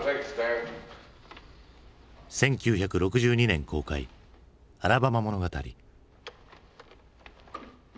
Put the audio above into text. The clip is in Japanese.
１９６２年公開「アラバマ物語」。